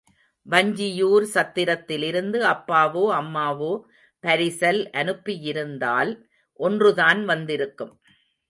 வஞ்சியூர் சத்திரத்திலிருந்து அப்பாவோ அம்மாவோ பரிசல் அனுப்பியிருந்தால் ஒன்று தான் வந்திருக்கும்.